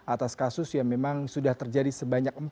atas kasus yang memang sudah terjadi sebanyak empat kali